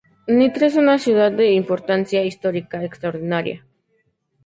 Nitra es una ciudad de importancia histórica extraordinaria.